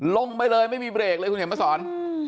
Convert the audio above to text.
ลงไปเลยไม่มีเบรกเลยคุณเห็นมาสอน